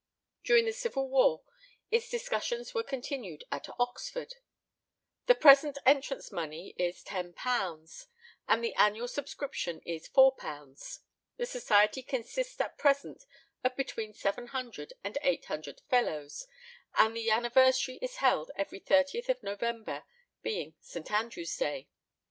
During the Civil War its discussions were continued at Oxford. The present entrance money is £10, and the annual subscription is £4. The society consists at present of between 700 and 800 fellows, and the anniversary is held every 30th of November, being St. Andrew's Day.